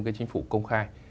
cái chính phủ công khai